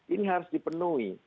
ini harus dipenuhi